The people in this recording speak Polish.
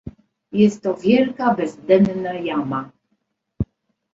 "Jest to wielka, bezdenna jama."